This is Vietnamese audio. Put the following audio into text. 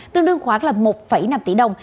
tương đương khoảng là một năm tỷ đồng